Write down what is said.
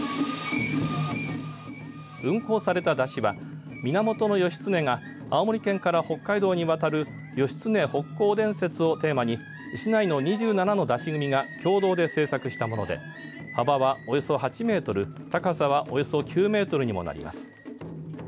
運行された山車は源義経が青森県から北海道に渡る義経北行伝説をテーマに市内の２７の山車組が共同で製作したもので幅はおよそ８メートル、高さはおよそ９メートルにもなります。